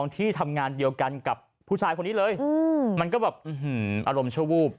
ที่ทำงานเดียวกันกับผู้ชายคนนี้เลยมันก็แบบอารมณ์ชั่ววูบ